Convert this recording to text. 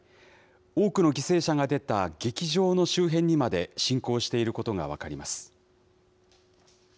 多くの犠牲者が出た劇場の周辺にまで侵攻していることが分かります。